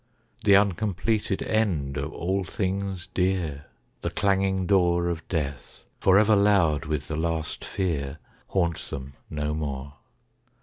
The uncompleted end of all things dear, The clanging door Of Death, forever loud with the last fear, Haunt them no more.